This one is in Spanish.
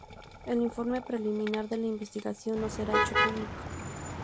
El informe preliminar de la investigación no será hecho público.